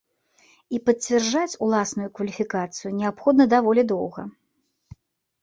І пацвярджаць уласную кваліфікацыю неабходна даволі доўга.